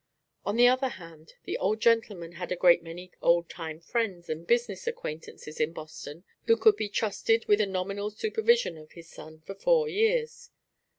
On the other hand, the Old Gentleman had a great many old time friends and business acquaintances in Boston who could be trusted with a nominal supervision of his son for four years.